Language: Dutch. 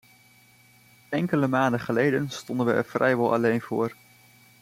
Enkele maanden geleden stonden we er vrijwel alleen voor.